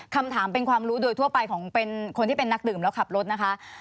คำถามเป็นความรู้โดยทั่วไปของเป็นคนที่เป็นนักดื่มแล้วขับรถนะคะ